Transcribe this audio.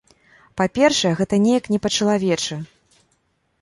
Па-першае, гэта неяк не па-чалавечы.